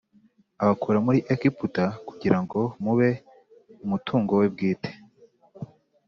abakura muri Egiputa kugira ngo mube umutungo we bwite